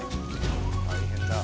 大変だ。